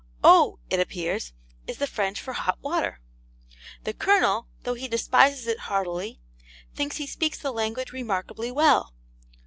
'O,' it appears, is the French for hot water. The Colonel (though he despises it heartily) thinks he speaks the language remarkably well.